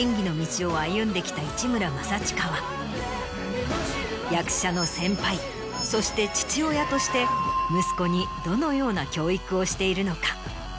市村正親は役者の先輩そして父親として息子にどのような教育をしているのか？